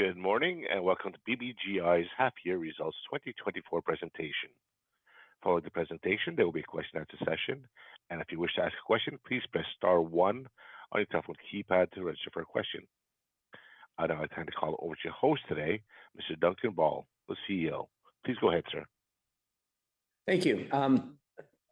Good morning, and welcome to BBGI's Half Year Results 2024 Presentation. Following the presentation, there will be a question and answer session, and if you wish to ask a question, please press star one on your telephone keypad to register for a question. I'd now like to hand the call over to your host today, Mr. Duncan Ball, the CEO. Please go ahead, sir. Thank you.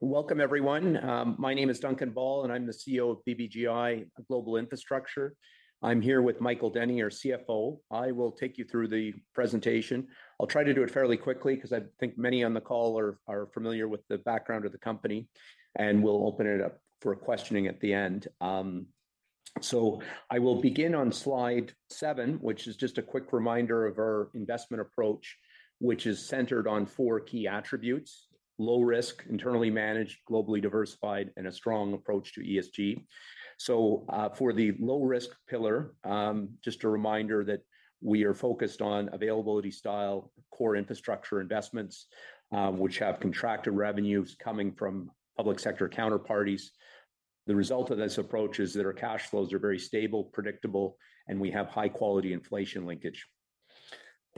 Welcome, everyone. My name is Duncan Ball, and I'm the CEO of BBGI Global Infrastructure. I'm here with Michael Denny, our CFO. I will take you through the presentation. I'll try to do it fairly quickly 'cause I think many on the call are familiar with the background of the company, and we'll open it up for questioning at the end. I will begin on slide seven, which is just a quick reminder of our investment approach, which is centered on four key attributes: low risk, internally managed, globally diversified, and a strong approach to ESG. For the low-risk pillar, just a reminder that we are focused on availability-style, core infrastructure investments, which have contracted revenues coming from public sector counterparties. The result of this approach is that our cash flows are very stable, predictable, and we have high-quality inflation linkage.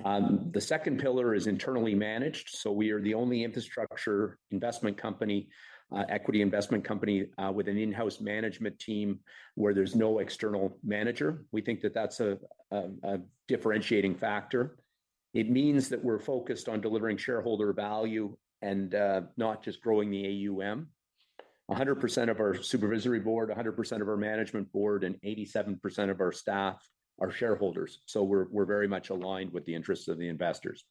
The second pillar is internally managed, so we are the only infrastructure investment company, equity investment company, with an in-house management team where there's no external manager. We think that that's a differentiating factor. It means that we're focused on delivering shareholder value and not just growing the AUM. 100% of our supervisory board, 100% of our management board, and 87% of our staff are shareholders, so we're very much aligned with the interests of the investors.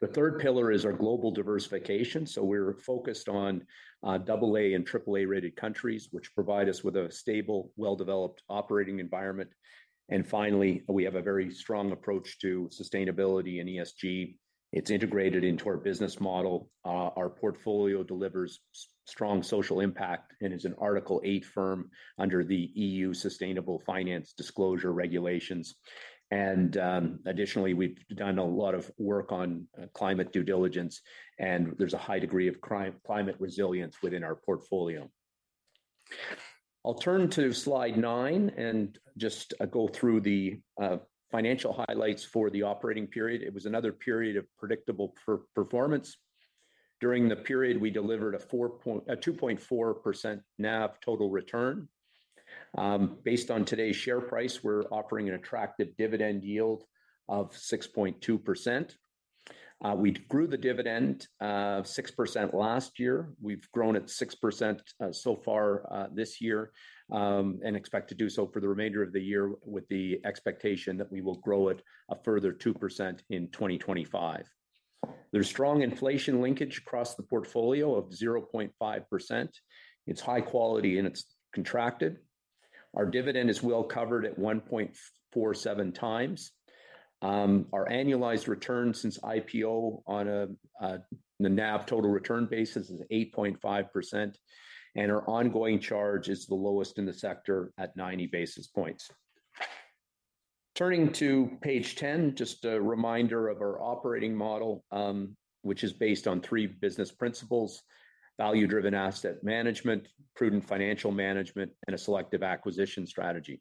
The third pillar is our global diversification, so we're focused on double A and triple A-rated countries, which provide us with a stable, well-developed operating environment. And finally, we have a very strong approach to sustainability and ESG. It's integrated into our business model. Our portfolio delivers strong social impact and is an Article 8 firm under the EU Sustainable Finance Disclosure Regulations, and additionally, we've done a lot of work on climate due diligence, and there's a high degree of climate resilience within our portfolio. I'll turn to slide nine and just go through the financial highlights for the operating period. It was another period of predictable performance. During the period, we delivered a 2.4% NAV total return. Based on today's share price, we're offering an attractive dividend yield of 6.2%. We grew the dividend 6% last year. We've grown it 6% so far this year and expect to do so for the remainder of the year, with the expectation that we will grow it a further 2% in 2025. There's strong inflation linkage across the portfolio of 0.5%. It's high quality, and it's contracted. Our dividend is well covered at 1.47 times. Our annualized return since IPO on the NAV total return basis is 8.5%, and our ongoing charge is the lowest in the sector at 90 basis points. Turning to page 10, just a reminder of our operating model, which is based on three business principles: value-driven asset management, prudent financial management, and a selective acquisition strategy.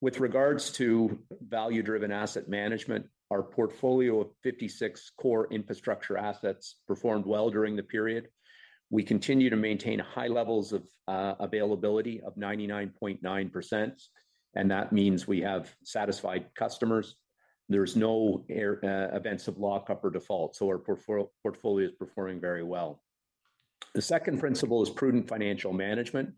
With regards to value-driven asset management, our portfolio of 56 core infrastructure assets performed well during the period. We continue to maintain high levels of availability of 99.9%, and that means we have satisfied customers. There's no adverse events of lock-up or default, so our portfolio is performing very well. The second principle is prudent financial management.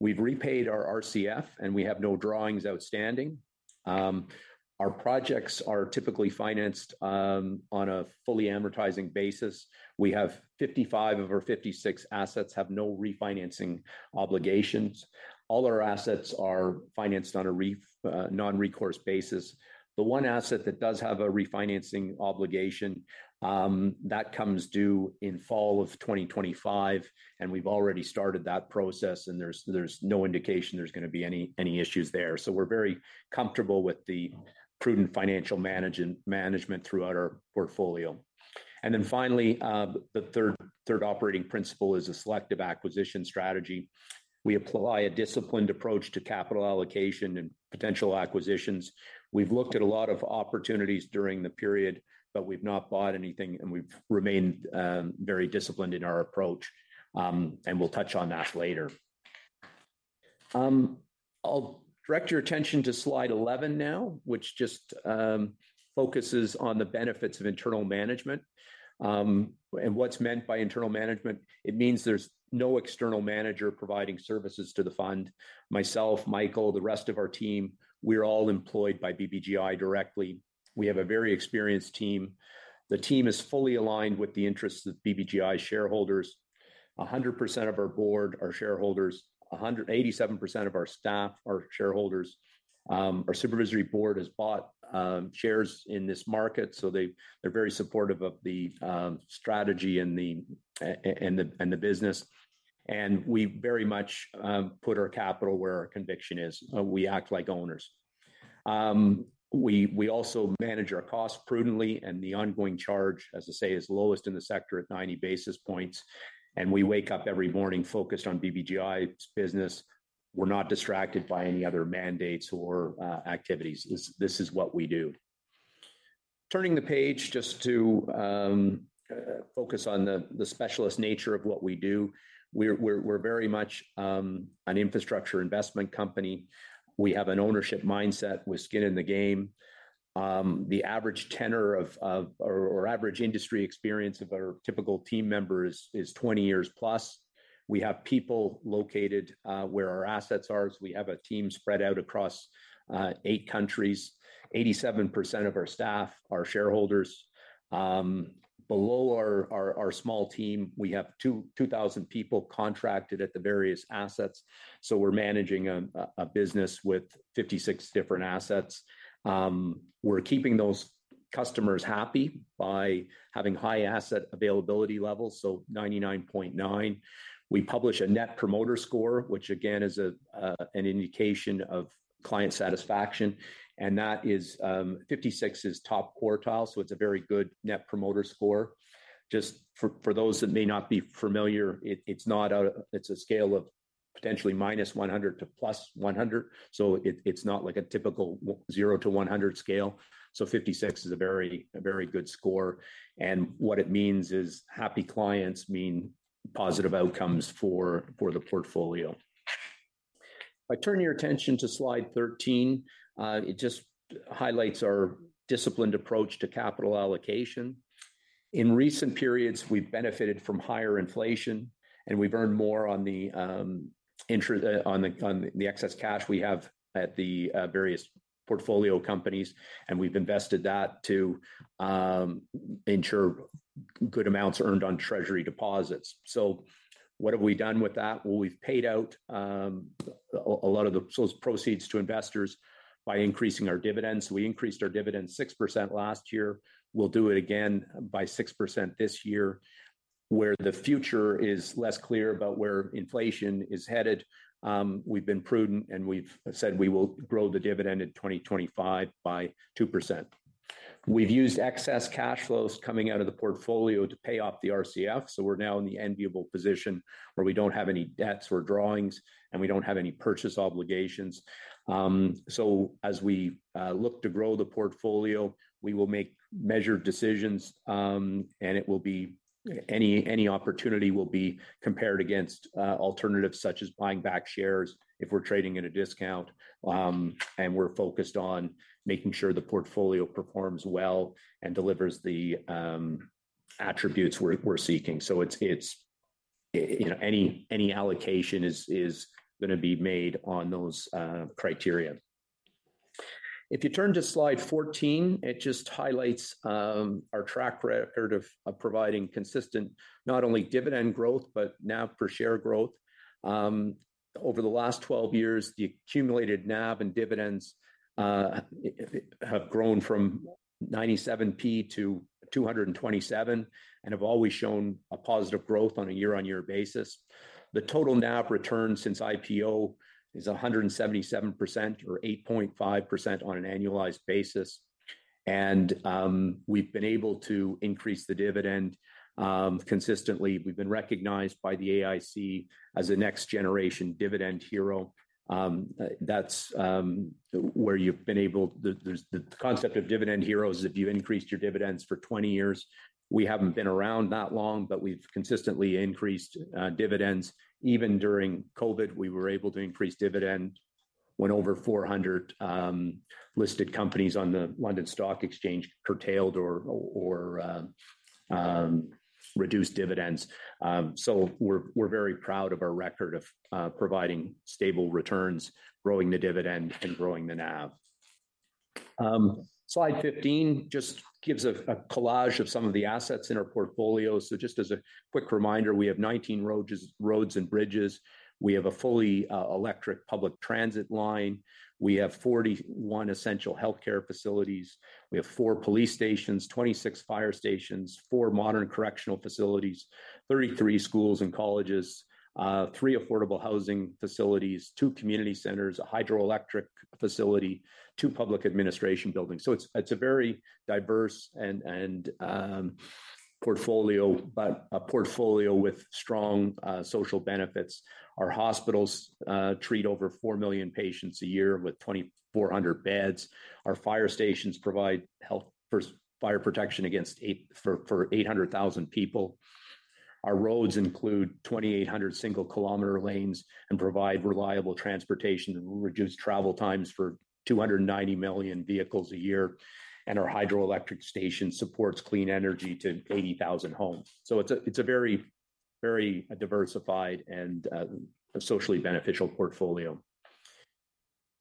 We've repaid our RCF, and we have no drawings outstanding. Our projects are typically financed on a fully amortizing basis. We have 55 of our 56 assets have no refinancing obligations. All our assets are financed on a non-recourse basis. The one asset that does have a refinancing obligation that comes due in fall of 2025, and we've already started that process, and there's no indication there's gonna be any issues there. So we're very comfortable with the prudent financial management throughout our portfolio. And then finally, the third operating principle is a selective acquisition strategy. We apply a disciplined approach to capital allocation and potential acquisitions. We've looked at a lot of opportunities during the period, but we've not bought anything, and we've remained very disciplined in our approach, and we'll touch on that later. I'll direct your attention to slide 11 now, which just focuses on the benefits of internal management. And what's meant by internal management, it means there's no external manager providing services to the fund. Myself, Michael, the rest of our team, we're all employed by BBGI directly. We have a very experienced team. The team is fully aligned with the interests of BBGI's shareholders. 100% of our board are shareholders. 187% of our staff are shareholders. Our supervisory board has bought shares in this market, so they're very supportive of the strategy and the business. And we very much put our capital where our conviction is. We act like owners. We also manage our costs prudently, and the ongoing charge, as I say, is lowest in the sector at ninety basis points, and we wake up every morning focused on BBGI's business. We're not distracted by any other mandates or activities. This is what we do. Turning the page just to focus on the specialist nature of what we do, we're very much an infrastructure investment company. We have an ownership mindset with skin in the game. The average tenure or average industry experience of our typical team members is 20 years+. We have people located where our assets are, so we have a team spread out across 8 countries. 87% of our staff are shareholders. Below our small team, we have 2,000 people contracted at the various assets, so we're managing a business with 56 different assets. We're keeping those customers happy by having high asset availability levels, so 99.9%. We publish a net promoter score, which again, is an indication of client satisfaction, and that is, 56 is top quartile, so it's a very good net promoter score. Just for those that may not be familiar, it, it's not a... It's a scale of potentially -100 to +100, so it, it's not like a typical 0 to 100 scale, so 56 is a very good score, and what it means is happy clients mean positive outcomes for the portfolio. If I turn your attention to slide 13, it just highlights our disciplined approach to capital allocation. In recent periods, we've benefited from higher inflation, and we've earned more on the excess cash we have at the various portfolio companies, and we've invested that to ensure good amounts are earned on treasury deposits. So what have we done with that? Well, we've paid out a lot of those proceeds to investors by increasing our dividends. We increased our dividends 6% last year. We'll do it again by 6% this year. Where the future is less clear about where inflation is headed, we've been prudent, and we've said we will grow the dividend in twenty twenty-five by 2%. We've used excess cash flows coming out of the portfolio to pay off the RCF, so we're now in the enviable position where we don't have any debts or drawings, and we don't have any purchase obligations, so as we look to grow the portfolio, we will make measured decisions, and any opportunity will be compared against alternatives, such as buying back shares if we're trading at a discount, and we're focused on making sure the portfolio performs well and delivers the attributes we're seeking. So it's you know any allocation is gonna be made on those criteria. If you turn to slide 14, it just highlights our track record of providing consistent not only dividend growth but NAV per share growth. Over the last 12 years, the accumulated NAV and dividends have grown from 97p to 227p and have always shown a positive growth on a year-on-year basis. The total NAV return since IPO is 177% or 8.5% on an annualized basis, and we've been able to increase the dividend consistently. We've been recognized by the AIC as a next-generation dividend hero. The concept of dividend heroes is if you increased your dividends for 20 years. We haven't been around that long, but we've consistently increased dividends. Even during COVID, we were able to increase dividend when over 400 listed companies on the London Stock Exchange curtailed or reduced dividends. So we're very proud of our record of providing stable returns, growing the dividend, and growing the NAV. Slide 15 just gives a collage of some of the assets in our portfolio. So just as a quick reminder, we have 19 roads and bridges. We have a fully electric public transit line. We have 41 essential healthcare facilities. We have four police stations, 26 fire stations, four modern correctional facilities, 33 schools and colleges, three affordable housing facilities, two community centers, a hydroelectric facility, two public administration buildings. So it's a very diverse and portfolio, but a portfolio with strong social benefits. Our hospitals treat over four million patients a year with 2,400 beds. Our fire stations provide health first, fire protection for 800,000 people. Our roads include 2,800 single km lanes and provide reliable transportation and reduce travel times for 290 million vehicles a year, and our hydroelectric station supports clean energy to 80,000 homes. So it's a very, very diversified and a socially beneficial portfolio.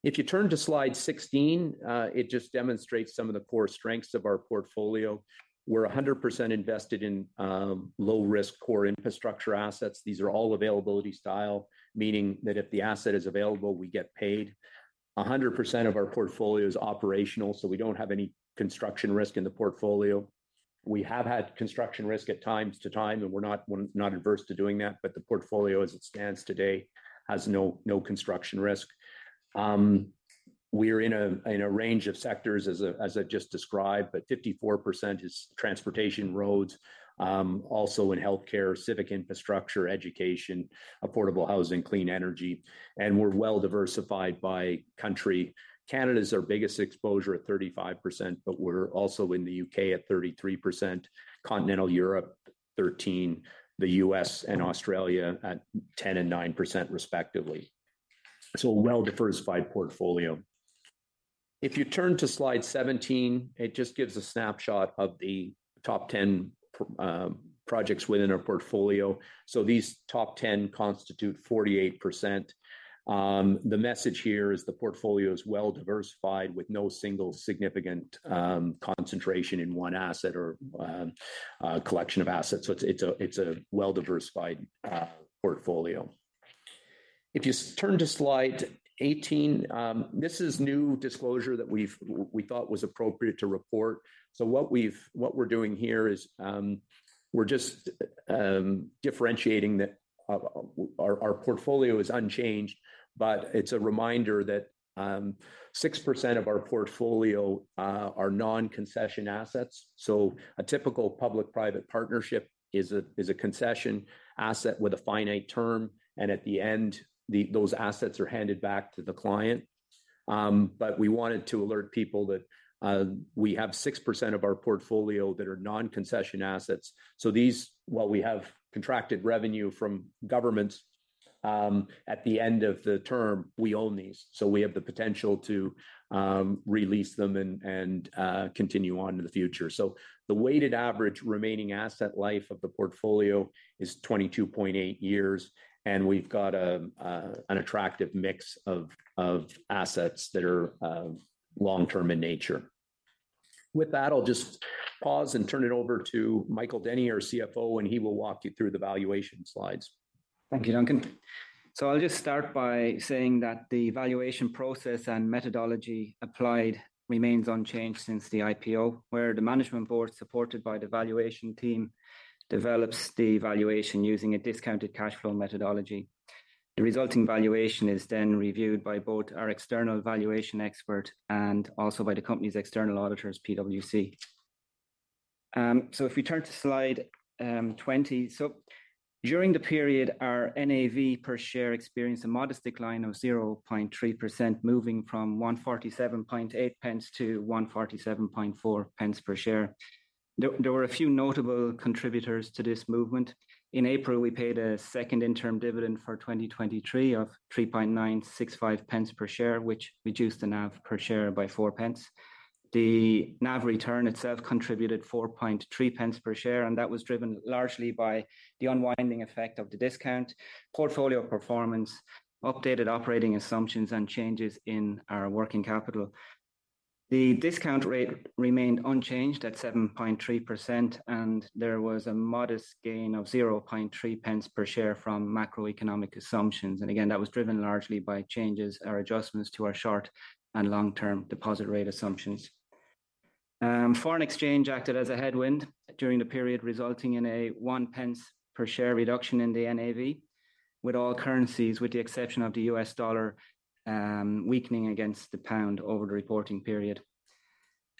If you turn to slide 16, it just demonstrates some of the core strengths of our portfolio. We're 100% invested in low-risk core infrastructure assets. These are all availability-style, meaning that if the asset is available, we get paid. 100% of our portfolio is operational, so we don't have any construction risk in the portfolio. We have had construction risk from time to time, and we're not one, not averse to doing that, but the portfolio, as it stands today, has no, no construction risk. We're in a, in a range of sectors as I, as I just described, but 54% is transportation, roads, also in healthcare, civic infrastructure, education, affordable housing, clean energy, and we're well diversified by country. Canada's our biggest exposure at 35%, but we're also in the U.K. at 33%, Continental Europe, 13%, the U.S. and Australia at 10% and 9% respectively. So a well-diversified portfolio. If you turn to slide 17, it just gives a snapshot of the top 10 projects within our portfolio. So these top 10 constitute 48%. The message here is the portfolio is well diversified, with no single significant concentration in one asset or collection of assets. It's a well-diversified portfolio. If you turn to slide 18, this is new disclosure that we've thought was appropriate to report. What we're doing here is we're just differentiating that our portfolio is unchanged, but it's a reminder that 6% of our portfolio are non-concession assets. A typical public-private partnership is a concession asset with a finite term, and at the end those assets are handed back to the client. But we wanted to alert people that we have 6% of our portfolio that are non-concession assets. So these, while we have contracted revenue from governments, at the end of the term, we own these, so we have the potential to re-lease them and continue on in the future. So the weighted average remaining asset life of the portfolio is 22.8 years, and we've got an attractive mix of assets that are long-term in nature. With that, I'll just pause and turn it over to Michael Denny, our CFO, and he will walk you through the valuation slides. Thank you, Duncan. So I'll just start by saying that the valuation process and methodology applied remains unchanged since the IPO, where the management board, supported by the valuation team, develops the valuation using a discounted cash flow methodology. The resulting valuation is then reviewed by both our external valuation expert and also by the company's external auditors, PwC. So if we turn to slide 20. During the period, our NAV per share experienced a modest decline of 0.3%, moving from 147.8 pence to 147.4 pence per share. There were a few notable contributors to this movement. In April, we paid a second interim dividend for 2023 of 3.965 pence per share, which reduced the NAV per share by 4 pence. The NAV return itself contributed 0.043 per share, and that was driven largely by the unwinding effect of the discount, portfolio performance, updated operating assumptions, and changes in our working capital. The discount rate remained unchanged at 7.3%, and there was a modest gain of 0.003 per share from macroeconomic assumptions. And again, that was driven largely by changes or adjustments to our short- and long-term deposit rate assumptions. Foreign exchange acted as a headwind during the period, resulting in a 0.01 per share reduction in the NAV, with all currencies, with the exception of the U.S. dollar, weakening against the pound over the reporting period.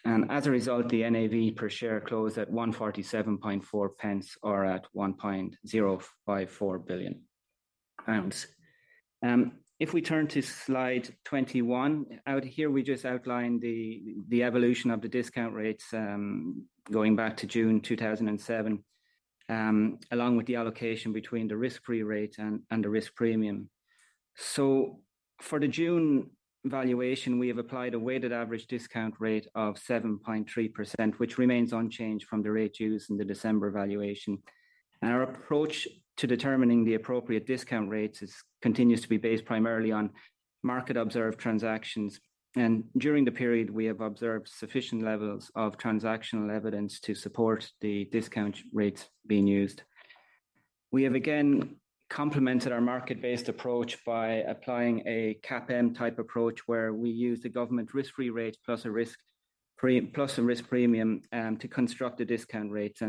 And as a result, the NAV per share closed at 1.474, or at 1.054 billion pounds. If we turn to slide 21, out here we just outlined the evolution of the discount rates, going back to June 2007, along with the allocation between the risk-free rate and the risk premium. So for the June valuation, we have applied a weighted average discount rate of 7.3%, which remains unchanged from the rate used in the December valuation. And our approach to determining the appropriate discount rates continues to be based primarily on market-observed transactions, and during the period, we have observed sufficient levels of transactional evidence to support the discount rates being used. We have again complemented our market-based approach by applying a CAPM-type approach, where we use the government risk-free rate plus a risk premium to construct the discount rates.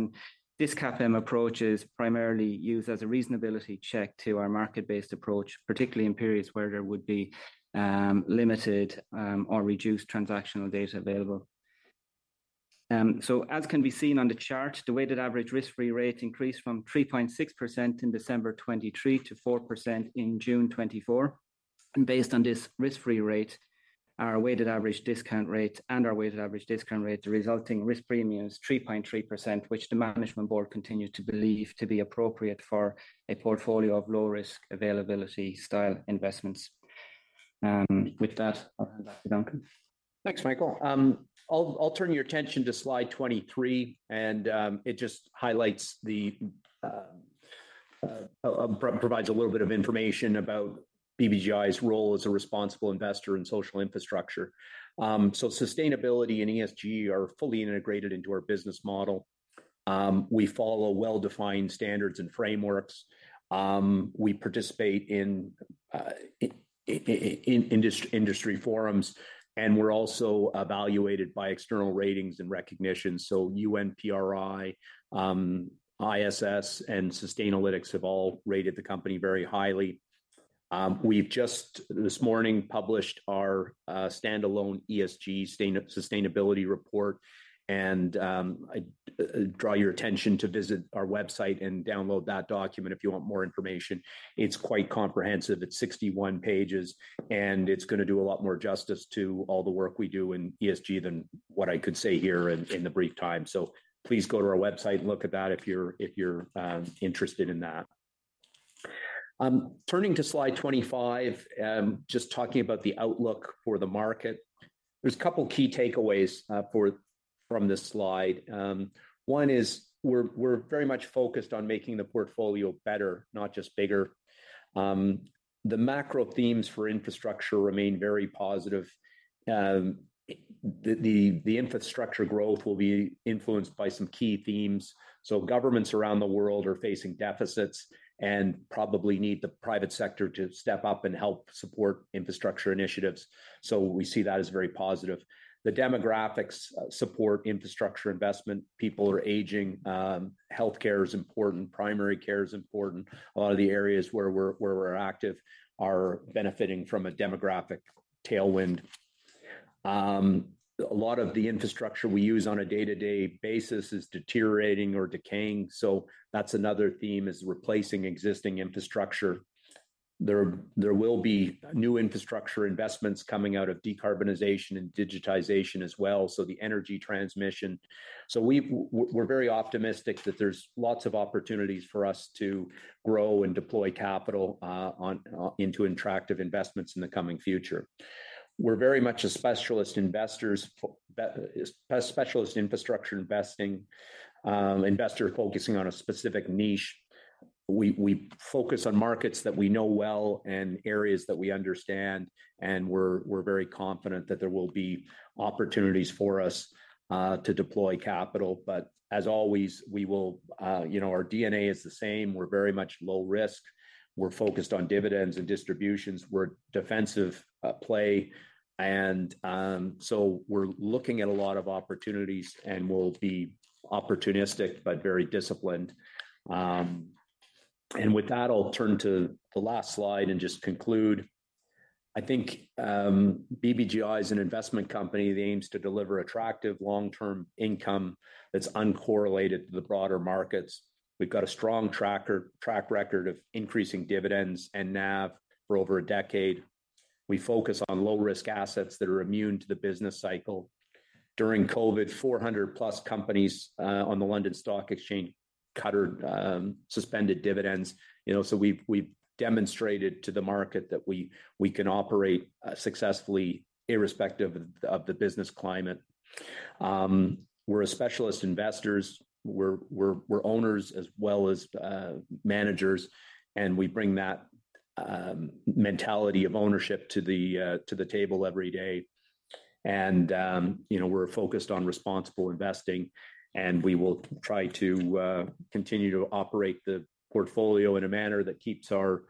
This CAPM approach is primarily used as a reasonability check to our market-based approach, particularly in periods where there would be limited or reduced transactional data available. So as can be seen on the chart, the weighted average risk-free rate increased from 3.6% in December 2023 to 4% in June 2024, and based on this risk-free rate, our weighted average discount rate, the resulting risk premium is 3.3%, which the management board continues to believe to be appropriate for a portfolio of low-risk availability style investments. With that, I'll hand it back to Duncan. Thanks, Michael. I'll turn your attention to slide 23, and it just highlights, provides a little bit of information about BBGI's role as a responsible investor in social infrastructure, so sustainability and ESG are fully integrated into our business model. We follow well-defined standards and frameworks. We participate in industry forums, and we're also evaluated by external ratings and recognitions, so UNPRI, ISS, and Sustainalytics have all rated the company very highly. We've just this morning published our standalone ESG sustainability report, and I draw your attention to visit our website and download that document if you want more information. It's quite comprehensive. It's 61 pages, and it's gonna do a lot more justice to all the work we do in ESG than what I could say here in the brief time. So please go to our website and look at that if you're interested in that. Turning to slide 25, just talking about the outlook for the market. There's a couple key takeaways from this slide. One is we're very much focused on making the portfolio better, not just bigger. The macro themes for infrastructure remain very positive. The infrastructure growth will be influenced by some key themes. So governments around the world are facing deficits and probably need the private sector to step up and help support infrastructure initiatives. So we see that as very positive. The demographics support infrastructure investment. People are aging. Healthcare is important. Primary care is important. A lot of the areas where we're active are benefiting from a demographic tailwind. A lot of the infrastructure we use on a day-to-day basis is deteriorating or decaying, so that's another theme is replacing existing infrastructure. There will be new infrastructure investments coming out of decarbonization and digitization as well, so the energy transmission. So we're very optimistic that there's lots of opportunities for us to grow and deploy capital on into attractive investments in the coming future. We're very much a specialist infrastructure investing investor focusing on a specific niche. We focus on markets that we know well and areas that we understand, and we're very confident that there will be opportunities for us to deploy capital. But as always, we will, you know, our DNA is the same. We're very much low risk. We're focused on dividends and distributions. We're defensive, play, and, so we're looking at a lot of opportunities and we'll be opportunistic but very disciplined. And with that, I'll turn to the last slide and just conclude. I think, BBGI is an investment company that aims to deliver attractive long-term income that's uncorrelated to the broader markets. We've got a strong track record of increasing dividends and NAV for over a decade. We focus on low-risk assets that are immune to the business cycle. During COVID, four hundred plus companies, on the London Stock Exchange cut or, suspended dividends. You know, so we've demonstrated to the market that we can operate, successfully, irrespective of the business climate. We're specialist investors. We're owners as well as managers, and we bring that mentality of ownership to the table every day. You know, we're focused on responsible investing, and we will try to continue to operate the portfolio in a manner that keeps our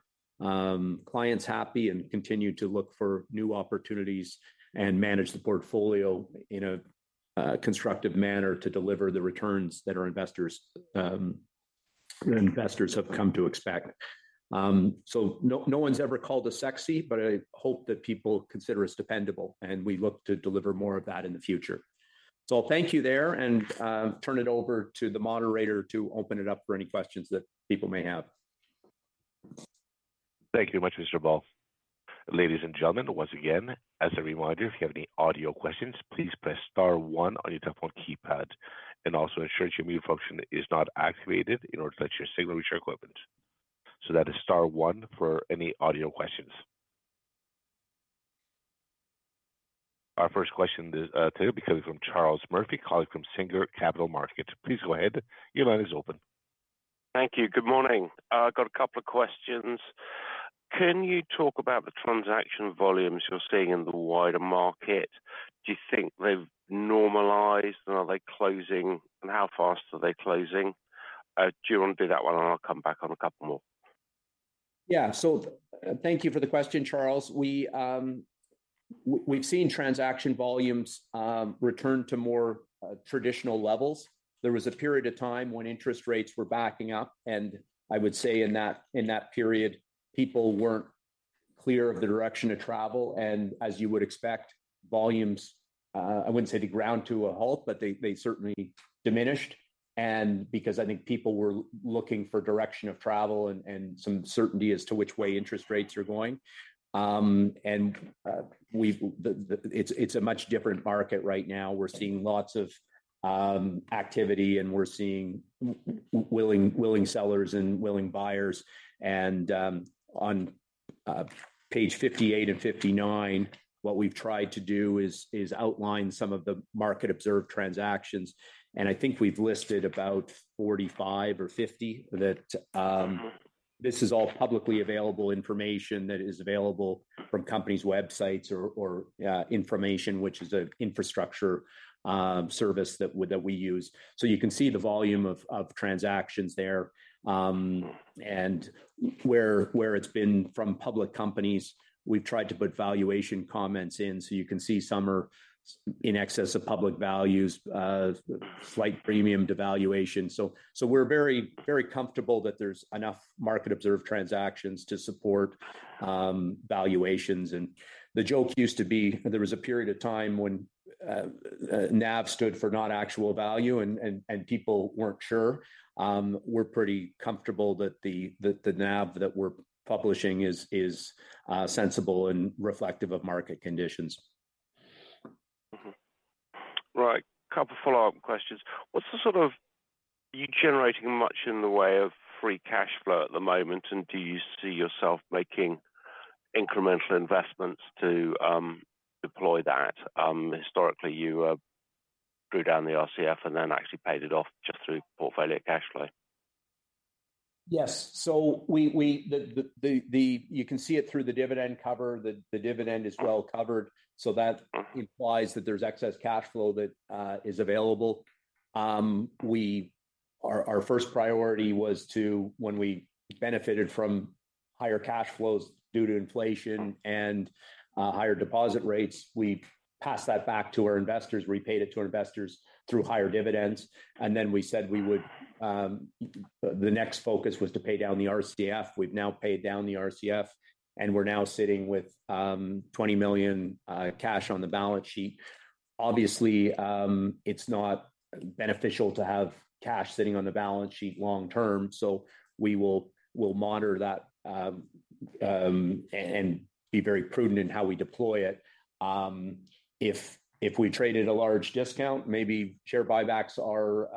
clients happy and continue to look for new opportunities and manage the portfolio in a constructive manner to deliver the returns that our investors have come to expect. No one's ever called us sexy, but I hope that people consider us dependable, and we look to deliver more of that in the future. I'll thank you there and turn it over to the moderator to open it up for any questions that people may have. Thank you very much, Mr. Ball. Ladies and gentlemen, once again, as a reminder, if you have any audio questions, please press star one on your telephone keypad and also ensure your mute function is not activated in order to let your signal reach our equipment. So that is star one for any audio questions. Our first question is today will be coming from Charles Murphy, colleague from Singer Capital Markets. Please go ahead. Your line is open. Thank you. Good morning. I've got a couple of questions. Can you talk about the transaction volumes you're seeing in the wider market? Do you think they've normalized, and are they closing, and how fast are they closing? Do you want to do that one, and I'll come back on a couple more? Yeah. So thank you for the question, Charles. We, we've seen transaction volumes return to more traditional levels. There was a period of time when interest rates were backing up, and I would say in that period, people weren't clear of the direction of travel, and as you would expect, volumes, I wouldn't say they ground to a halt, but they certainly diminished. And because I think people were looking for direction of travel and some certainty as to which way interest rates are going. And we've. It's a much different market right now. We're seeing lots of activity, and we're seeing willing sellers and willing buyers. On page 58 and 59, what we've tried to do is outline some of the market-observed transactions, and I think we've listed about 45 or 50 that. This is all publicly available information that is available from companies' websites or Inframation, which is an infrastructure service that we use. So you can see the volume of transactions there, and where it's been from public companies. We've tried to put valuation comments in, so you can see some are in excess of public values, slight premium to valuation. So we're very, very comfortable that there's enough market-observed transactions to support valuations. The joke used to be, there was a period of time when NAV stood for not actual value, and people weren't sure. We're pretty comfortable that the NAV that we're publishing is sensible and reflective of market conditions. Mm-hmm. Right. Couple follow-up questions. What's the sort of... Are you generating much in the way of free cash flow at the moment, and do you see yourself making incremental investments to deploy that? Historically, you drew down the RCF and then actually paid it off just through portfolio cash flow. Yes. So you can see it through the dividend cover. The dividend is well covered, so that implies that there's excess cash flow that is available. Our first priority was to, when we benefited from higher cash flows due to inflation and higher deposit rates, we passed that back to our investors, repaid it to our investors through higher dividends. And then we said we would, the next focus was to pay down the RCF. We've now paid down the RCF, and we're now sitting with 20 million cash on the balance sheet. Obviously, it's not beneficial to have cash sitting on the balance sheet long term, so we will, we'll monitor that and be very prudent in how we deploy it. If we trade at a large discount, maybe share buybacks are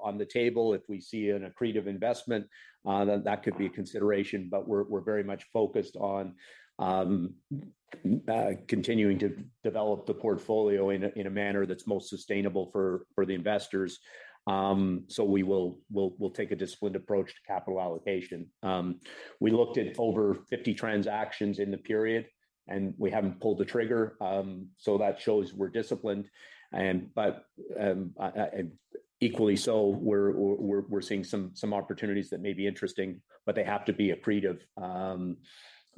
on the table. If we see an accretive investment, then that could be a consideration, but we're very much focused on continuing to develop the portfolio in a manner that's most sustainable for the investors, so we will take a disciplined approach to capital allocation. We looked at over 50 transactions in the period, and we haven't pulled the trigger, so that shows we're disciplined, and but, and equally so, we're seeing some opportunities that may be interesting, but they have to be accretive,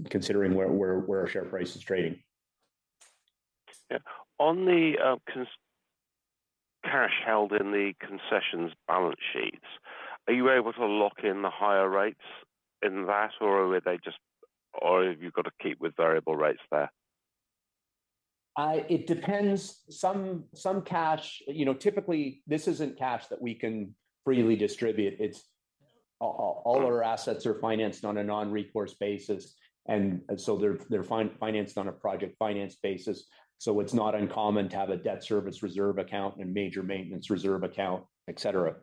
considering where our share price is trading. Yeah. On the cash held in the concessions balance sheets, are you able to lock in the higher rates in that, or are they just... or have you got to keep with variable rates there? It depends. Some cash. You know, typically, this isn't cash that we can freely distribute. It's all our assets are financed on a non-recourse basis, and so they're financed on a project finance basis. So it's not uncommon to have a debt service reserve account and major maintenance reserve account, et cetera.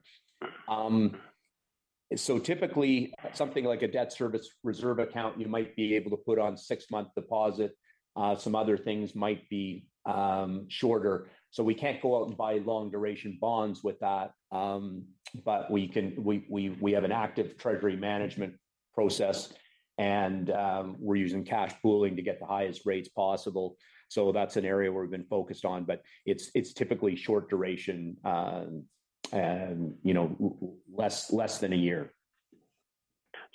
So typically, something like a debt service reserve account, you might be able to put on six-month deposit. Some other things might be shorter. So we can't go out and buy long-duration bonds with that. But we can. We have an active treasury management process, and we're using cash pooling to get the highest rates possible. So that's an area where we've been focused on, but it's typically short duration, and, you know, less than a year.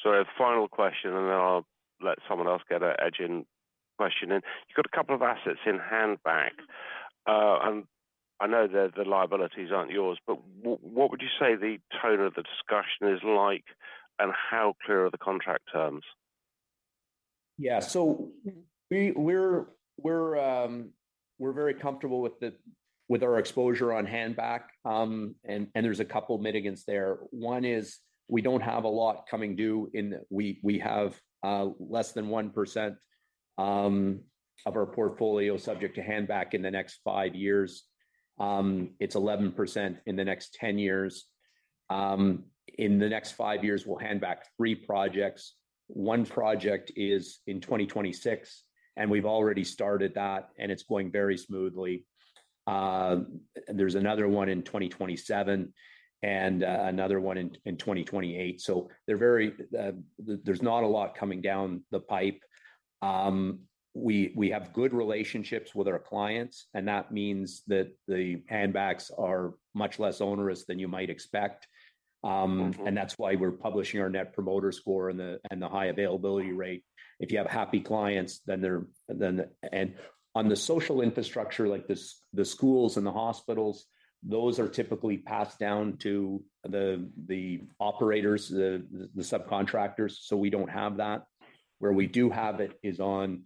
So a final question, and then I'll let someone else get an edge in questioning. You've got a couple of assets in hand-back, and I know that the liabilities aren't yours, but what would you say the tone of the discussion is like, and how clear are the contract terms? Yeah. So we're very comfortable with our exposure on hand-back. And there's a couple of mitigants there. One is we don't have a lot coming due in the next five years. We have less than 1% of our portfolio subject to hand-back in the next five years. It's 11% in the next ten years. In the next five years, we'll hand back three projects. One project is in 2026, and we've already started that, and it's going very smoothly. There's another one in 2028 and another one in 2028. So they're very, there's not a lot coming down the pipe. We have good relationships with our clients, and that means that the hand-backs are much less onerous than you might expect. and that's why we're publishing our Net Promoter Score and the high availability rate. If you have happy clients, then they're... and on the social infrastructure, like the schools and the hospitals, those are typically passed down to the operators, the subcontractors. So we don't have that. Where we do have it is on,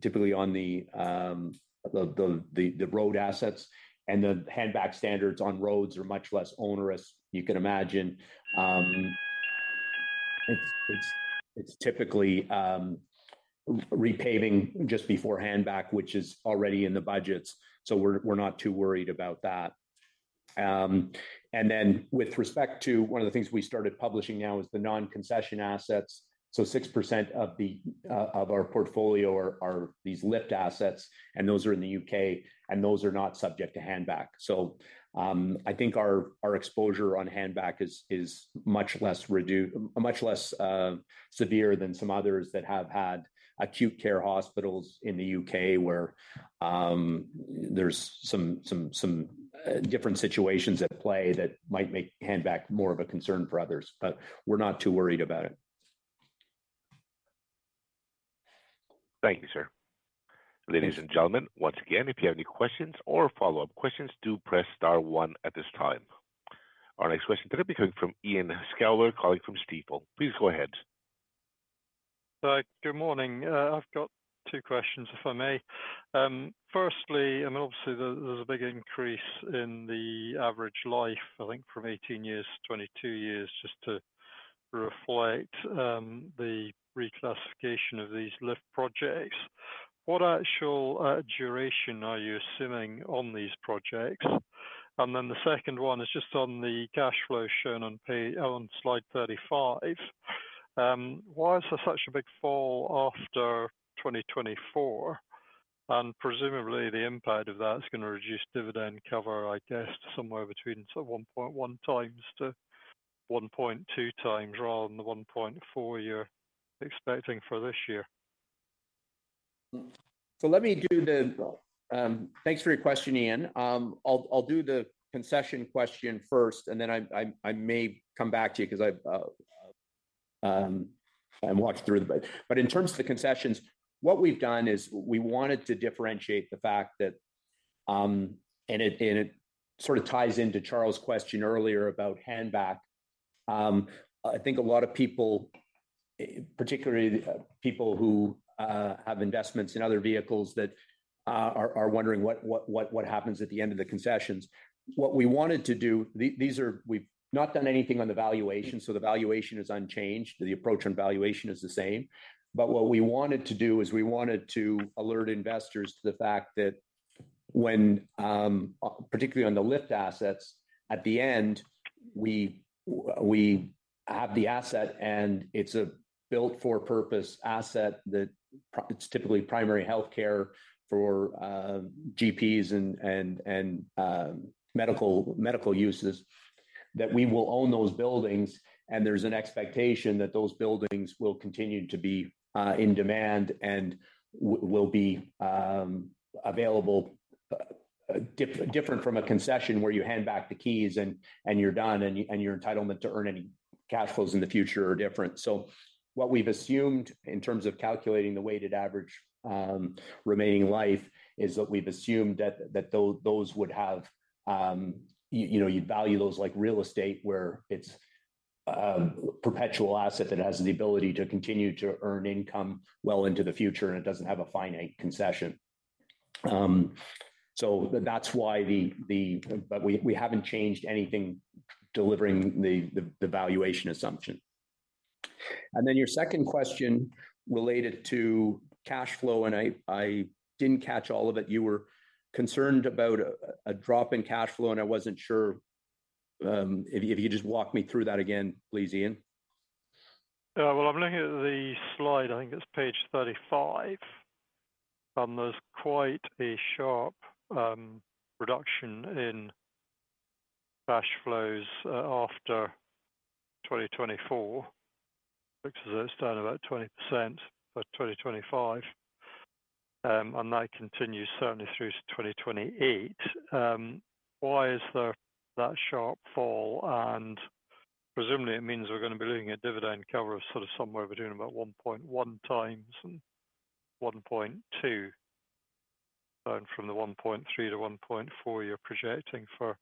typically on the road assets, and the hand-back standards on roads are much less onerous. You can imagine, it's typically repaving just before hand-back, which is already in the budgets, so we're not too worried about that. And then with respect to one of the things we started publishing now is the non-concession assets. So 6% of our portfolio are these LIFT assets, and those are in the U.K., and those are not subject to hand back. So I think our exposure on hand back is much less severe than some others that have had acute care hospitals in the U.K., where there's some different situations at play that might make hand back more of a concern for others, but we're not too worried about it. Thank you, sir. Ladies and gentlemen, once again, if you have any questions or follow-up questions, do press star one at this time. Our next question today will be coming from Ian Scoular, calling from Stifel. Please go ahead.... Good morning. I've got two questions, if I may. Firstly, I mean, obviously, there, there's a big increase in the average life, I think, from 18 years to 22 years, just to reflect the reclassification of these LIFT projects. What actual duration are you assuming on these projects? And then the second one is just on the cash flow shown on page, on slide 35. Why is there such a big fall after 2024? And presumably, the impact of that is going to reduce dividend cover, I guess, to somewhere between sort of 1.1x to 1.2x, rather than the 1.4 you're expecting for this year. So let me do the. Thanks for your question, Ian. I'll do the concession question first, and then I may come back to you because I've walked through the. But in terms of the concessions, what we've done is we wanted to differentiate the fact that, and it sort of ties into Charles' question earlier about hand-back. I think a lot of people, particularly the people who have investments in other vehicles that are wondering what happens at the end of the concessions. What we wanted to do, these are. We've not done anything on the valuation, so the valuation is unchanged, the approach on valuation is the same. But what we wanted to do is we wanted to alert investors to the fact that when particularly on the LIFT assets, at the end, we have the asset, and it's a built-for-purpose asset that it's typically primary healthcare for GPs and medical uses, that we will own those buildings, and there's an expectation that those buildings will continue to be in demand and will be available, different from a concession where you hand back the keys and you're done, and your entitlement to earn any cash flows in the future are different. So what we've assumed in terms of calculating the weighted average remaining life is that we've assumed that those would have, you know, you'd value those like real estate, where it's perpetual asset that has the ability to continue to earn income well into the future, and it doesn't have a finite concession. So that's why the... But we haven't changed anything delivering the valuation assumption. And then your second question related to cash flow, and I didn't catch all of it. You were concerned about a drop in cash flow, and I wasn't sure if you just walk me through that again, please, Ian. Yeah, well, I'm looking at the slide. I think it's page 35. There's quite a sharp reduction in cash flows after 2024. Looks as though it's down about 20% by 2025, and that continues certainly through to 2028. Why is there that sharp fall? And presumably, it means we're going to be looking at dividend cover of sort of somewhere between about 1.1x and 1.2x, and from the 1.3 to 1.4, you're projecting for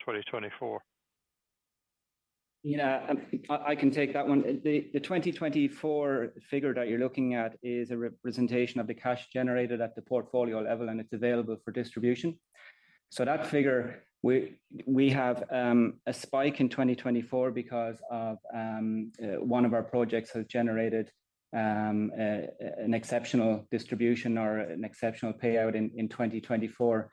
2024. Yeah, I can take that one. The 2024 figure that you're looking at is a representation of the cash generated at the portfolio level, and it's available for distribution. So that figure, we have a spike in 2024 because of one of our projects has generated an exceptional distribution or an exceptional payout in 2024.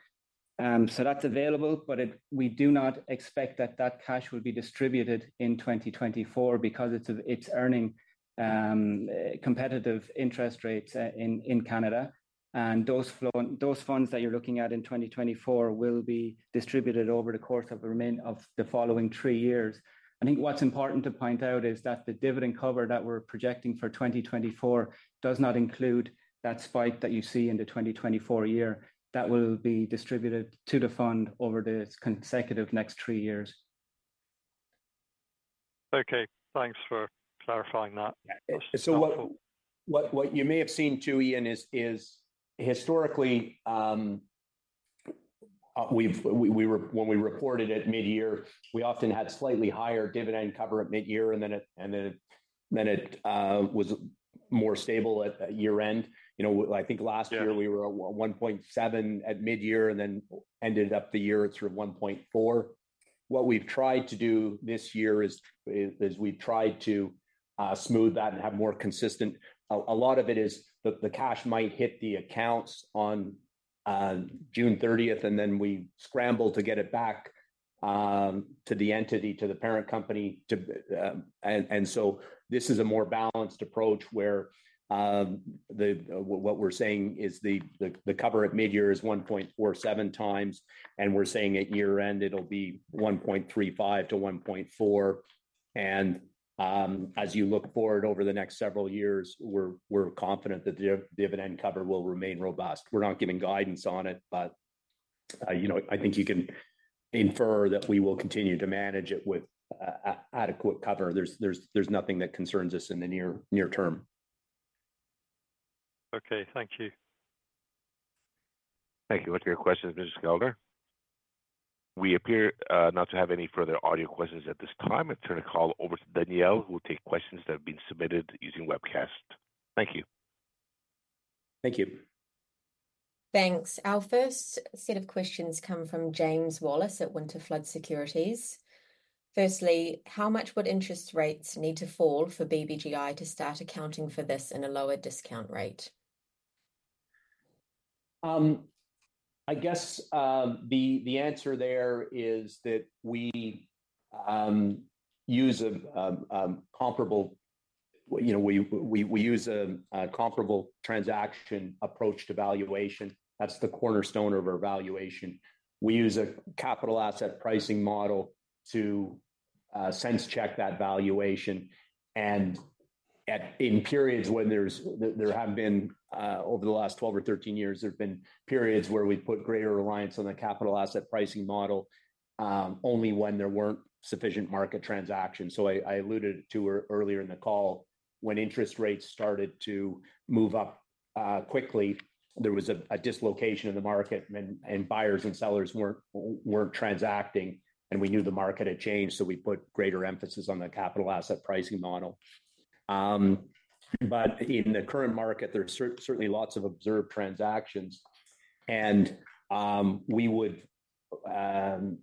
So that's available, but it—we do not expect that that cash will be distributed in 2024 because it's earning competitive interest rates in Canada. And those funds that you're looking at in 2024 will be distributed over the course of the remainder of the following three years. I think what's important to point out is that the dividend cover that we're projecting for 2024 does not include that spike that you see in the 2024 year. That will be distributed to the fund over the consecutive next three years. Okay, thanks for clarifying that. So what you may have seen, too, Ian, is historically we've when we reported at mid-year, we often had slightly higher dividend cover at mid-year, and then it was more stable at year-end. You know, I think last year- Yeah... we were at 1.7 at mid-year and then ended up the year at sort of 1.4. What we've tried to do this year is we've tried to smooth that and have more consistent. A lot of it is the cash might hit the accounts on June thirtieth, and then we scramble to get it back to the entity, to the parent company. And so this is a more balanced approach, where what we're saying is the cover at mid-year is 1.47x, and we're saying at year-end it'll be 1.35-1.4. And as you look forward over the next several years, we're confident that the dividend cover will remain robust. We're not giving guidance on it, but you know, I think you can infer that we will continue to manage it with adequate cover. There's nothing that concerns us in the near term. Okay, thank you.... Thank you. What's your question, Mr. Scoular? We appear not to have any further audio questions at this time. I turn the call over to Danielle, who will take questions that have been submitted using webcast. Thank you. Thank you. Thanks. Our first set of questions come from James Wallace at Winterflood Securities. Firstly, how much would interest rates need to fall for BBGI to start accounting for this in a lower discount rate? I guess the answer there is that we use a comparable transaction approach to valuation. That's the cornerstone of our valuation. We use a Capital Asset Pricing Model to sense check that valuation, and in periods when there have been, over the last 12 or 13 years, there have been periods where we've put greater reliance on the Capital Asset Pricing Model, only when there weren't sufficient market transactions. So I alluded to earlier in the call, when interest rates started to move up quickly, there was a dislocation in the market and buyers and sellers weren't transacting, and we knew the market had changed, so we put greater emphasis on the Capital Asset Pricing Model. But in the current market, there are certainly lots of observed transactions, and we would.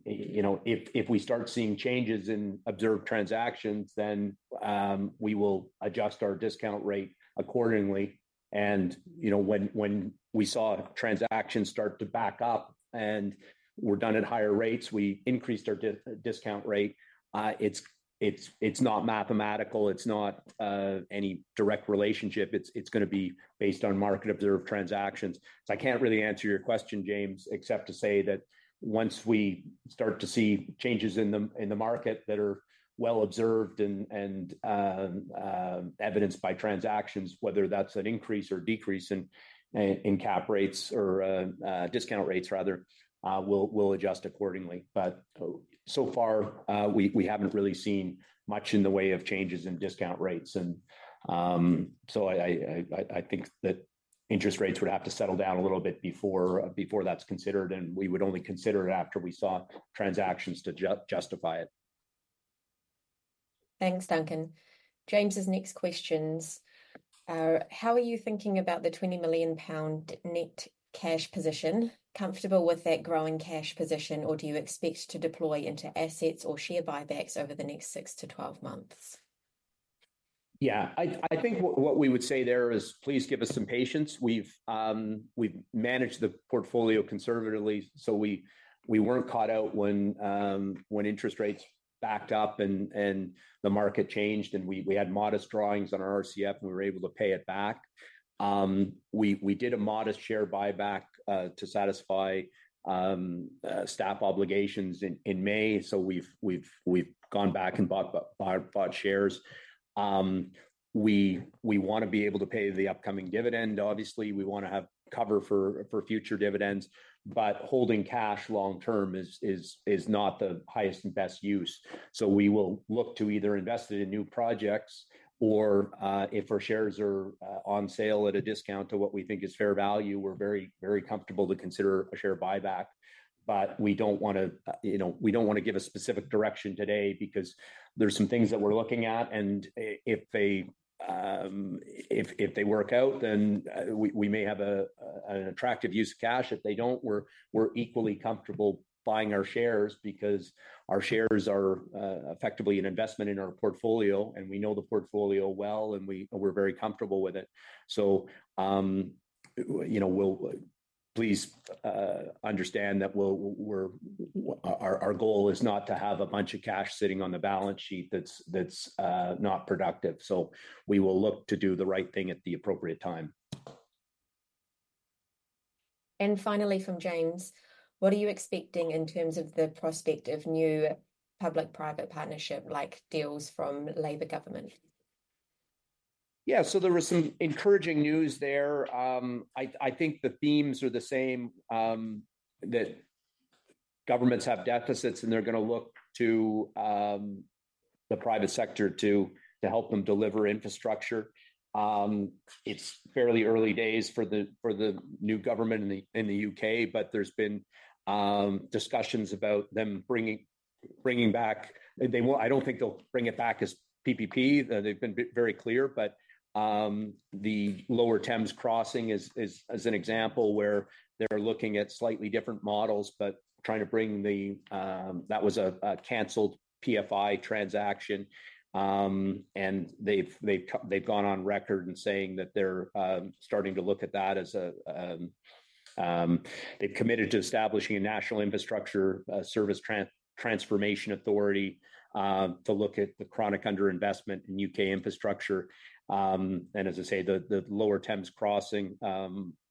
You know, if we start seeing changes in observed transactions, then we will adjust our discount rate accordingly. And, you know, when we saw transactions start to back up and were done at higher rates, we increased our discount rate. It's not mathematical, it's not any direct relationship. It's gonna be based on market-observed transactions. So I can't really answer your question, James, except to say that once we start to see changes in the market that are well observed and evidenced by transactions, whether that's an increase or decrease in cap rates or discount rates rather, we'll adjust accordingly. But so far, we haven't really seen much in the way of changes in discount rates, and so I think that interest rates would have to settle down a little bit before that's considered, and we would only consider it after we saw transactions to justify it. Thanks, Duncan. James's next questions are: How are you thinking about the 20 million pound net cash position? Comfortable with that growing cash position, or do you expect to deploy into assets or share buybacks over the next 6 to 12 months? Yeah. I think what we would say there is please give us some patience. We've managed the portfolio conservatively, so we weren't caught out when interest rates backed up and the market changed, and we had modest drawings on our RCF, and we were able to pay it back. We did a modest share buyback to satisfy staff obligations in May, so we've gone back and bought shares. We want to be able to pay the upcoming dividend. Obviously, we want to have cover for future dividends, but holding cash long term is not the highest and best use. So we will look to either invest it in new projects, or, if our shares are, on sale at a discount to what we think is fair value, we're very, very comfortable to consider a share buyback. But we don't want to, you know, we don't want to give a specific direction today because there's some things that we're looking at, and if they work out, then, we may have an attractive use of cash. If they don't, we're equally comfortable buying our shares because our shares are, effectively an investment in our portfolio, and we know the portfolio well, and we're very comfortable with it. So, you know, please understand that our goal is not to have a bunch of cash sitting on the balance sheet that's not productive. So we will look to do the right thing at the appropriate time. Finally, from James: What are you expecting in terms of the prospect of new public-private partnership, like deals from Labour government? Yeah, so there was some encouraging news there. I think the themes are the same, that governments have deficits, and they're gonna look to the private sector to help them deliver infrastructure. It's fairly early days for the new government in the U.K., but there's been discussions about them bringing back. I don't think they'll bring it back as PPP. They've been very clear, but the Lower Thames Crossing is as an example, where they're looking at slightly different models, but trying to bring the... That was a canceled PFI transaction, and they've gone on record in saying that they're starting to look at that. They've committed to establishing a National Infrastructure Service Transformation Authority to look at the chronic underinvestment in U.K. infrastructure. And as I say, the Lower Thames Crossing,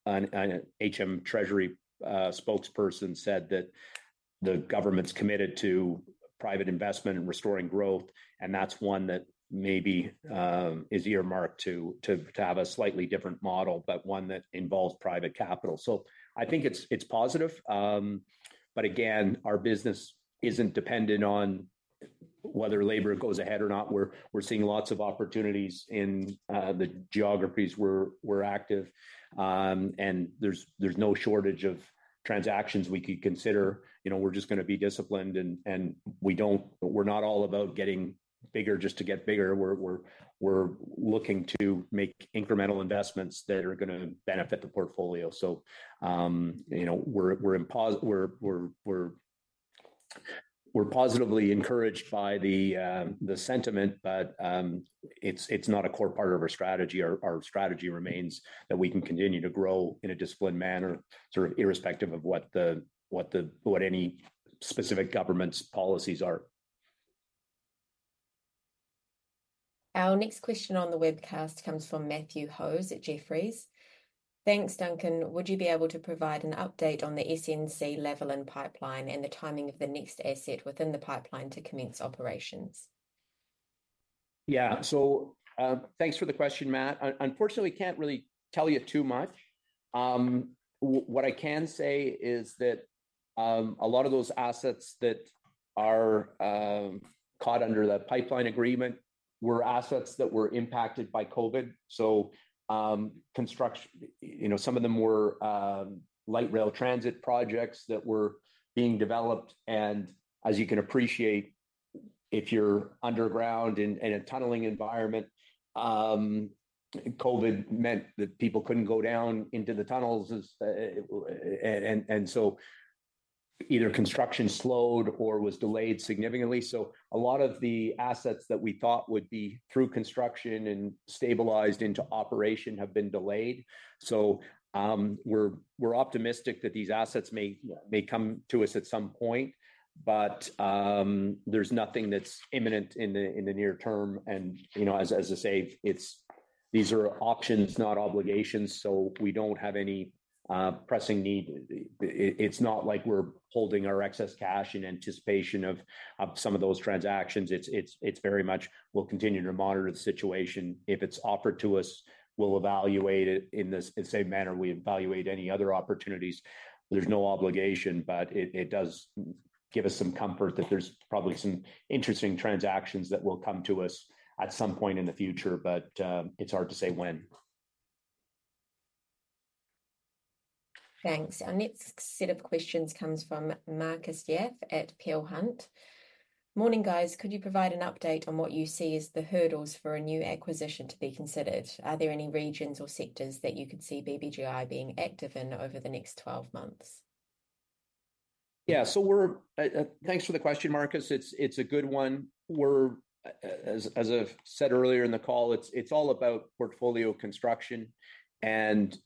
an HM Treasury spokesperson said that the government's committed to private investment and restoring growth, and that's one that maybe is earmarked to have a slightly different model, but one that involves private capital. So I think it's positive, but again, our business isn't dependent on PPP whether Labour goes ahead or not, we're seeing lots of opportunities in the geographies where we're active. And there's no shortage of transactions we could consider. You know, we're just gonna be disciplined, and we don't-- we're not all about getting bigger just to get bigger. We're looking to make incremental investments that are gonna benefit the portfolio. So, you know, we're positively encouraged by the sentiment, but it's not a core part of our strategy. Our strategy remains that we can continue to grow in a disciplined manner, sort of irrespective of what any specific government's policies are. Our next question on the webcast comes from Matthew Hose at Jefferies. Thanks, Duncan. Would you be able to provide an update on the SNC-Lavalin pipeline and the timing of the next asset within the pipeline to commence operations? Yeah. So, thanks for the question, Matt. Unfortunately, can't really tell you too much. What I can say is that a lot of those assets that are caught under that pipeline agreement were assets that were impacted by COVID. So, you know, some of them were light rail transit projects that were being developed, and as you can appreciate, if you're underground in a tunneling environment, COVID meant that people couldn't go down into the tunnels as... And so either construction slowed or was delayed significantly. So a lot of the assets that we thought would be through construction and stabilized into operation have been delayed. So, we're optimistic that these assets may come to us at some point, but there's nothing that's imminent in the near term. You know, as I say, it's, these are options, not obligations, so we don't have any pressing need. It's not like we're holding our excess cash in anticipation of some of those transactions. It's very much we'll continue to monitor the situation. If it's offered to us, we'll evaluate it in the same manner we evaluate any other opportunities. There's no obligation, but it does give us some comfort that there's probably some interesting transactions that will come to us at some point in the future, but it's hard to say when. Thanks. Our next set of questions comes from Marcus Jaffe at Peel Hunt. Morning, guys. Could you provide an update on what you see as the hurdles for a new acquisition to be considered? Are there any regions or sectors that you could see BBGI being active in over the next twelve months? Yeah. So we're... Thanks for the question, Marcus. It's a good one. We're, as I've said earlier in the call, it's all about portfolio construction, and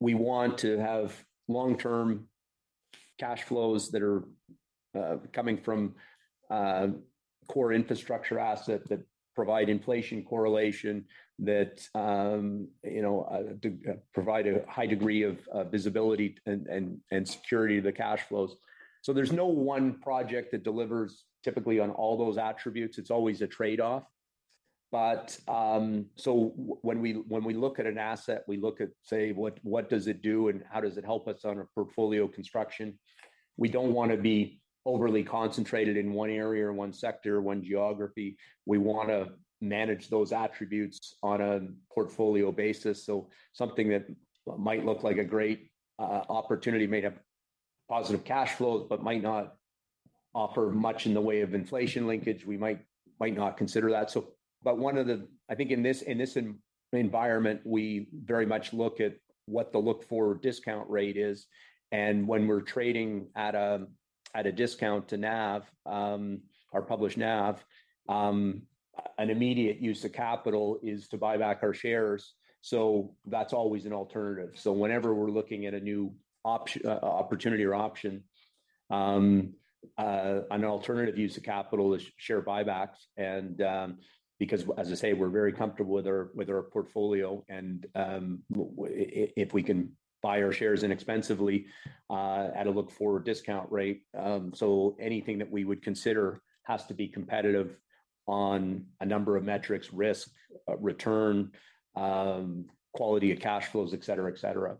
we want to have long-term cash flows that are coming from core infrastructure assets that provide inflation correlation, that you know provide a high degree of visibility and security of the cash flows. So there's no one project that delivers typically on all those attributes. It's always a trade-off. But so when we look at an asset, we look at, say, what does it do and how does it help us on our portfolio construction? We don't wanna be overly concentrated in one area or one sector, one geography. We want to manage those attributes on a portfolio basis. So something that might look like a great opportunity may have positive cash flows, but might not offer much in the way of inflation linkage, we might not consider that. But one of the I think in this environment, we very much look at what the look-forward discount rate is, and when we're trading at a discount to NAV, our published NAV, an immediate use of capital is to buy back our shares. So that's always an alternative. So whenever we're looking at a new opportunity or option, an alternative use of capital is share buybacks and, because, as I say, we're very comfortable with our portfolio, and if we can buy our shares inexpensively at a look-forward discount rate. So anything that we would consider has to be competitive on a number of metrics: risk, return, quality of cash flows, et cetera, et cetera.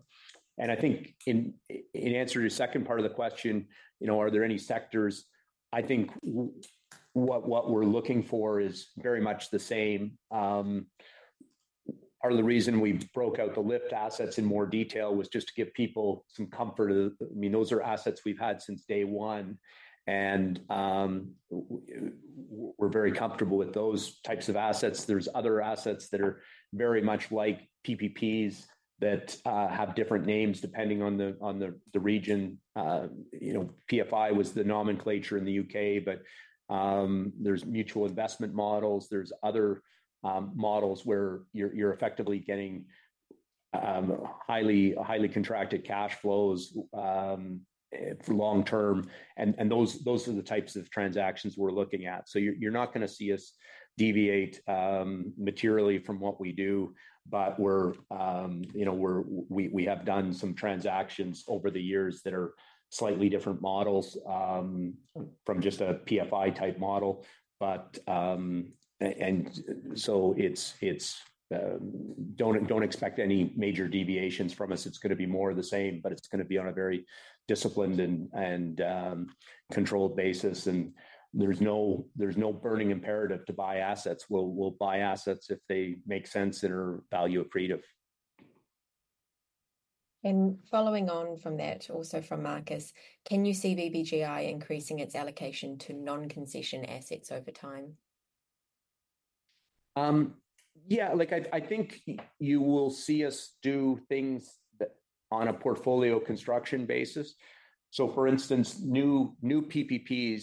I think in answer to your second part of the question, you know, are there any sectors? I think what we're looking for is very much the same. Part of the reason we broke out the LIFT assets in more detail was just to give people some comfort. I mean, those are assets we've had since day one, and we're very comfortable with those types of assets. There's other assets that are very much like PPPs that have different names, depending on the region. You know, PFI was the nomenclature in the U.K., but there's mutual investment models, there's other models where you're effectively getting highly contracted cash flows long term. And those are the types of transactions we're looking at. So you're not gonna see us deviate materially from what we do, but we're you know, we're we have done some transactions over the years that are slightly different models from just a PFI-type model. But and so it's don't expect any major deviations from us. It's gonna be more of the same, but it's gonna be on a very disciplined and controlled basis, and there's no burning imperative to buy assets. We'll buy assets if they make sense and are value accretive. ... And following on from that, also from Marcus: Can you see BBGI increasing its allocation to non-concession assets over time? Yeah, like I think you will see us do things that, on a portfolio construction basis. So for instance, new PPPs,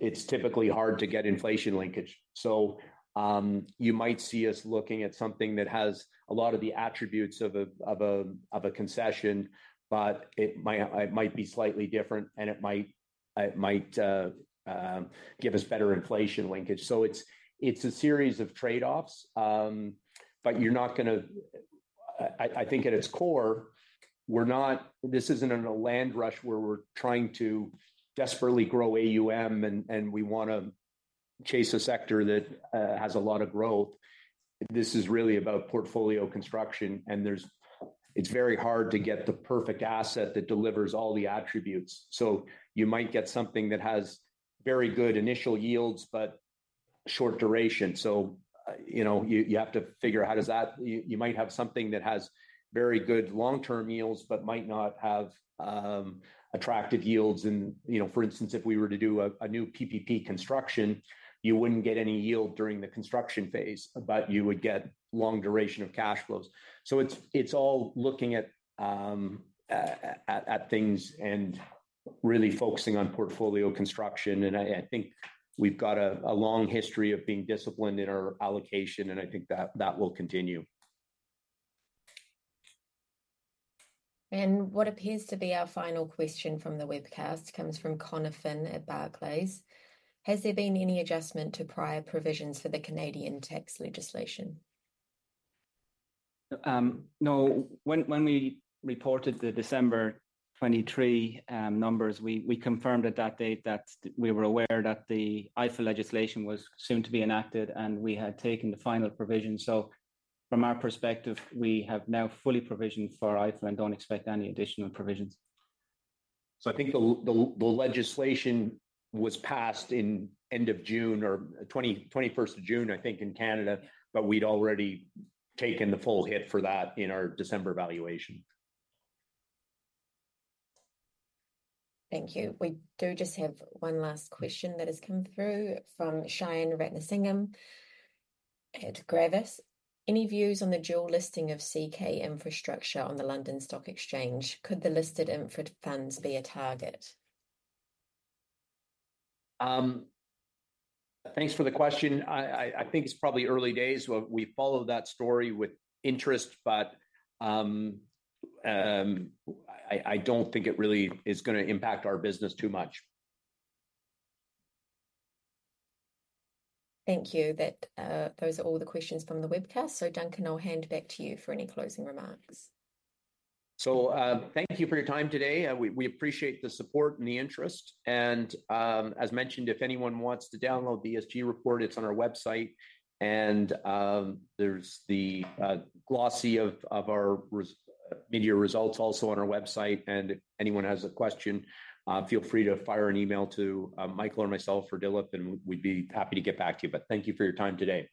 it's typically hard to get inflation linkage. So you might see us looking at something that has a lot of the attributes of a concession, but it might be slightly different, and it might give us better inflation linkage. So it's a series of trade-offs, but you're not gonna. I think at its core, we're not. This isn't in a land rush where we're trying to desperately grow AUM, and we wanna chase a sector that has a lot of growth. This is really about portfolio construction, and there's. It's very hard to get the perfect asset that delivers all the attributes. So you might get something that has very good initial yields but short duration. So, you know, you have to figure out. You might have something that has very good long-term yields but might not have attractive yields. And, you know, for instance, if we were to do a new PPP construction, you wouldn't get any yield during the construction phase, but you would get long duration of cash flows. So it's all looking at things and really focusing on portfolio construction, and I think we've got a long history of being disciplined in our allocation, and I think that will continue. What appears to be our final question from the webcast comes from Connor Finn at Barclays: Has there been any adjustment to prior provisions for the Canadian tax legislation? No. When we reported the December 2023 numbers, we confirmed at that date that we were aware that the EIFEL legislation was soon to be enacted, and we had taken the final provision. So from our perspective, we have now fully provisioned for EIFEL and don't expect any additional provisions. I think the legislation was passed at the end of June or June 21, 2021, I think, in Canada, but we'd already taken the full hit for that in our December valuation. Thank you. We do just have one last question that has come through from Shayan Ratnasingam at Gravis: Any views on the dual listing of CK Infrastructure on the London Stock Exchange? Could the listed infra funds be a target? Thanks for the question. I think it's probably early days. We follow that story with interest, but I don't think it really is gonna impact our business too much. Thank you. That, those are all the questions from the webcast. So, Duncan, I'll hand back to you for any closing remarks. So, thank you for your time today, and we appreciate the support and the interest. And, as mentioned, if anyone wants to download the ESG report, it's on our website, and there's the glossy of our mid-year results also on our website. And if anyone has a question, feel free to fire an email to Michael or myself or Dilip, and we'd be happy to get back to you. But thank you for your time today.